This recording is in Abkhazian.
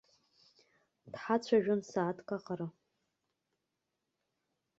Дҳацәажәон сааҭк аҟара.